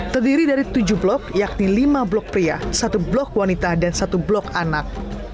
terdiri dari tujuh blok yakni lima blok pria satu blok wanita dan satu blok anak